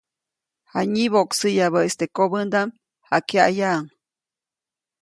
Janyiboʼksäyabäʼis teʼ kobändaʼm, jakyaʼyaʼuŋ.